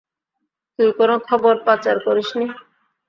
তুই কোনো খবর পাচার করিসনি?